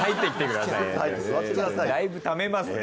だいぶためますね。